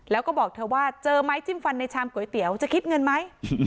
แล้วก็บอกเธอว่าเจอไหมจิ้มฟันในชามก๋วยเตี๋ยวจะคิดเงินไหม